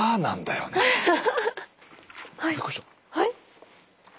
はい？